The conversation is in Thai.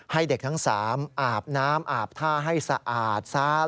ให้เด็กทั้ง๓อาบน้ำอาบท่าให้สะอาดซะ